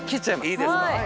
いいですか。